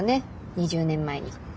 ２０年前に。